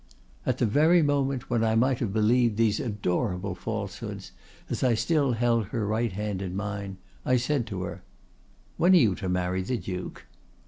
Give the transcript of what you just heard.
"At the very moment when I might have believed these adorable falsehoods, as I still held her right hand in mine, I said to her, 'When are you to marry the Duke?